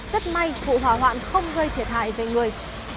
rất may vụ hỏa hoạn không gây thiệt hại về người